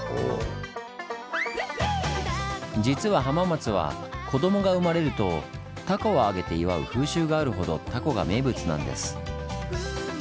実は浜松は子供が生まれると凧をあげて祝う風習があるほど凧が名物なんです。